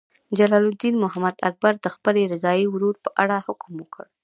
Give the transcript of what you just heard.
جلال الدین محمد اکبر د خپل رضاعي ورور په اړه حکم وکړ.